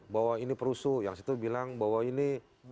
bahwa ini perusuh yang situ bilang bahwa ini